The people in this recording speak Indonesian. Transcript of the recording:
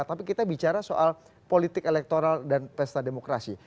tapi kita bicara soal politik elektoral dan pesta demokrasi